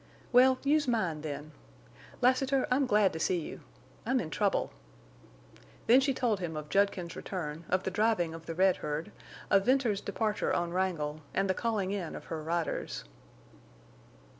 "Well, use mine, then. Lassiter, I'm glad to see you. I'm in trouble." Then she told him of Judkins's return, of the driving of the red herd, of Venters's departure on Wrangle, and the calling in of her riders.